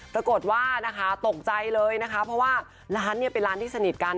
ปรากฏว่านะคะตกใจเลยนะคะเพราะว่าร้านเนี่ยเป็นร้านที่สนิทกัน